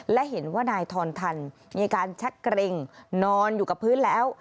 และเห็นว่านายทอนทันมีการชักเกร็งนอนอยู่กับพื้นแล้ว